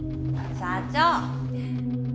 社長！